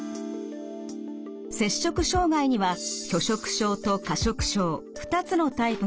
摂食障害には拒食症と過食症２つのタイプがあります。